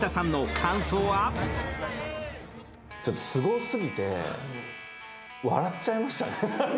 すごすぎて、笑っちゃいましたね。